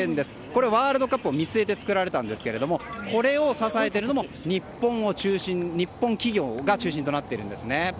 これ、ワールドカップを見据えて作られたんですけれどもこれを支えているのも日本企業が中心となっているんですね。